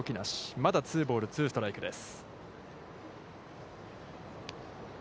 まだツーボール、ツーストライクです。